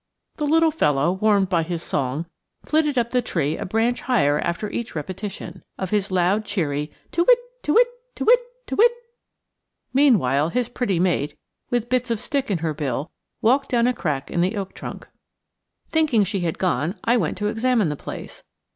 The little fellow, warmed by his song, flitted up the tree a branch higher after each repetition of his loud cheery tu whit', tu whit', tu whit', tu whit'. Meanwhile his pretty mate, with bits of stick in her bill, walked down a crack in the oak trunk. Thinking she had gone, I went to examine the place.